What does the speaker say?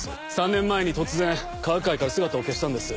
３年前に突然科学界から姿を消したんです。